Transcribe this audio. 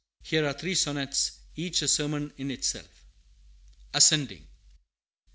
Here are three sonnets, each a sermon in itself: ASCENDING.